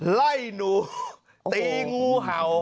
ไล่หนูตีงูเห่า